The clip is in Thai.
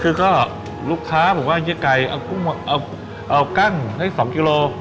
คือก็ลูกค้าผมว่าไยก่เอากั่งให้สองกิโล